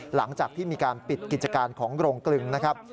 หลังจากที่มีการปิดกิจการของโรงกลึงนะครับ